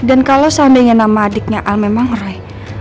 dan kalau seandainya nama adiknya al memang roy